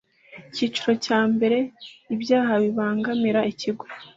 icyiciro cya mbere ibyaha bibangamira ikigo